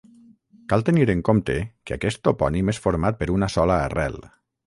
Cal tenir en compte que aquest topònim és format per una sola arrel.